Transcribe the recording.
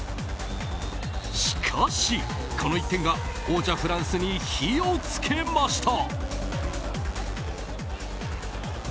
しかし、この１点が王者フランスに火を付けました。